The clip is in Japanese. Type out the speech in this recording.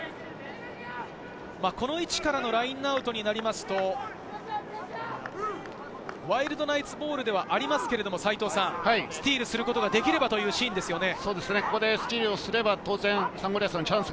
この位置からのラインアウトになると、ワイルドナイツボールではありますが、齊藤さん、スティールすることができればというシーンですよね。